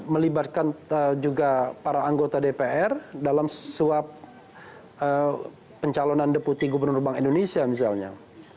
melibatkan juga para anggota dpr dalam suap pencalonan deputi gubernur bank indonesia misalnya